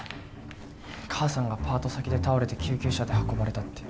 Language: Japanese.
母さんがパート先で倒れて救急車で運ばれたって。